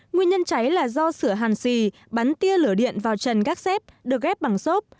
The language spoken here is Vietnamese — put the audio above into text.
nguyên nhân cháy là do sửa hàn xì bắn tia lửa điện vào trần gác xếp được ghép bằng xốp